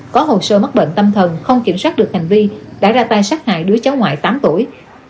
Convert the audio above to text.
có hồ sơ mắc bệnh tâm thần không kiểm soát được hành vi đã ra tay sát hại đứa cháu ngoài tám tuổi